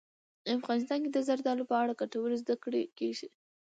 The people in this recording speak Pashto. افغانستان کې د زردالو په اړه ګټورې زده کړې کېږي.